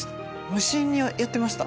無心にやってました